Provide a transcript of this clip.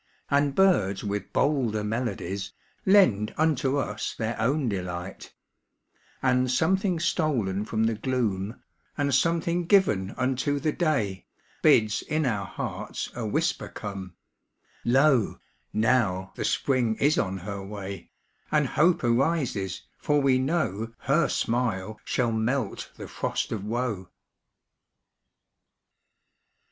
And birds with bolder melodies Lend unto us their own delight ; And something stolen from the gloom, And something given unto the day, Bids in our hearts a whisper come â âº Loj noiv the Spring is on her way^ And hope arises, for we know ' Her smile shall melt the frost of woe.